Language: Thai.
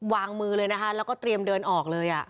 วางมือเลยนะคะแล้วก็เตรียมเดินออกเลย